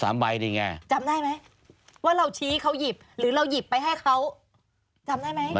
ว่าเราหยิบหรือหยิบไปให้เขา